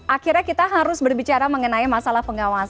akhirnya kita harus berbicara mengenai masalah pengawasan